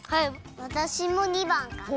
わたしも２ばんかな。